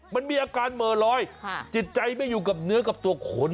มันมีอาการเหม่อลอยจิตใจไม่อยู่กับเนื้อกับตัวขน